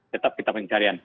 tetap kita pencarian